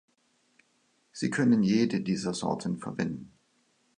Sie können jede dieser Sorten verwenden.